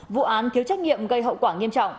vụ án thiếu trách nhiệm gây hậu quả nghiêm trọng